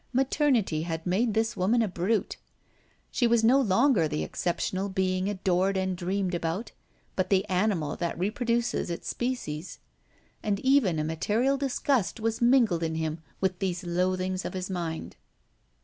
Maternity had made this woman a brute. She was no longer the exceptional being adored and dreamed about, but the animal that reproduces its species. And even a material disgust was mingled in him with these loathings of his mind.